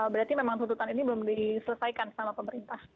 berarti memang tuntutan ini belum diselesaikan sama pemerintah